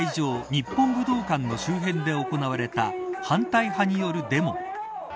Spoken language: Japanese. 日本武道館の周辺で行われた反対派によるデモ。